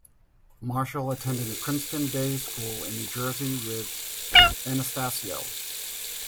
Marshall attended Princeton Day School in New Jersey with Anastasio.